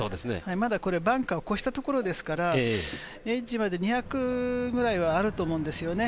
まだバンカーを越したところですから、エッジまで２００ぐらいはあると思うんですよね。